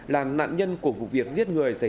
là nạn nhân của vụ việc giết người